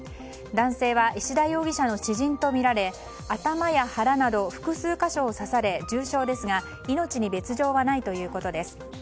男性は石田容疑者の知人とみられ頭や腹など複数箇所を刺され重傷ですが命に別条はないということです。